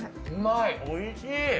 おいしい！